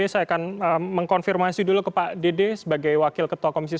saya akan mengkonfirmasi dulu ke pak dede sebagai wakil ketua komisi satu